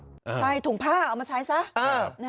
ใช่ถุงผ้าเอามาใช้ซะ